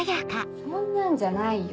そんなんじゃないよ。